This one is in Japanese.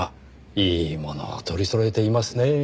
いいものを取りそろえていますねぇ。